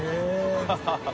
ハハハ